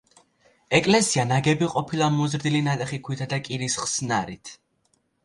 ეკლესია ნაგები ყოფილა მოზრდილი ნატეხი ქვითა და კირის ხსნარით.